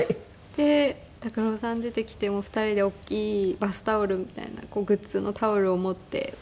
で拓郎さん出てきて２人で大きいバスタオルみたいなグッズのタオルを持ってワーッて。